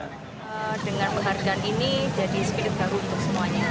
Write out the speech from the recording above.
karena dengan penghargaan ini jadi spirit baru untuk semuanya